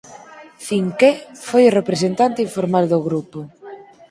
Cinqué foi o representante informal do grupo.